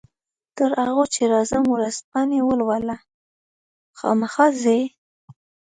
تر هغو چې راځم ورځپاڼې ولوله، خامخا ځې؟